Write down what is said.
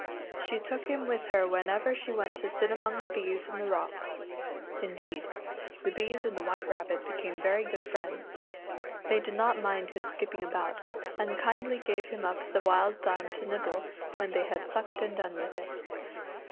She took him with her whenever she went to sit among the bees in the rocks. Indeed, the bees and the White Rabbit became very good friends. They did not mind his skipping about, and kindly gave him up the wild thyme to nibble when they had sucked and done with it.